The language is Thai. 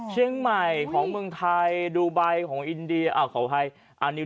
เชียงใหม่ของเมืองไทยดูไบของอันดับ๑นิวเดลีใช่ไหม